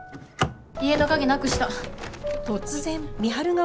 家の鍵なくした。